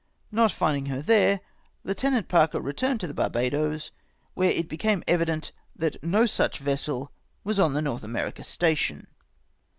Not finding her there. Lieutenant Parker returned to Barbadoes, when it became evident that no such vessel icas on the North American station.